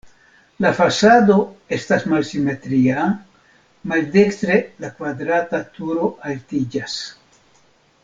La fasado estas malsimetria, maldekstre la kvadrata turo altiĝas.